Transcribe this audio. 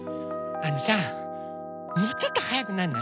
あのさもうちょっとはやくなんない？